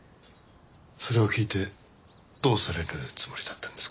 それを聞いてどうされるつもりだったんですか？